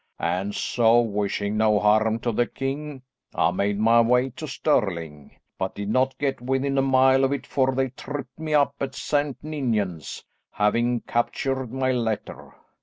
And so, wishing no harm to the king, I made my way to Stirling, but did not get within a mile of it, for they tripped me up at St. Ninians, having captured my letter.